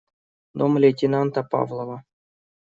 Дом лейтенанта Павлова.